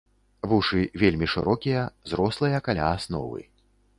Вушы вельмі шырокія, зрослыя каля асновы.